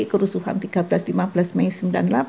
kerusuhan tiga belas lima belas mei sembilan puluh delapan